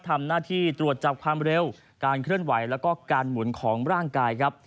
ทำหน้าที่ตรวจจับความเร็วการเคลื่อนไหวแล้วก็การหมุนของร่างกายครับ